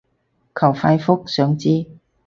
求快覆，想知